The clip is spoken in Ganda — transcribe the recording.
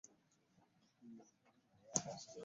Okumanya Nabukeera yankyawa ne bwe mmukubira takyakwata.